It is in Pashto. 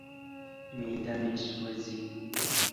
معده مې سوځي.